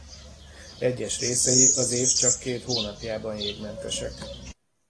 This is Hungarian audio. Egyes részei az év csak két hónapjában jégmentesek.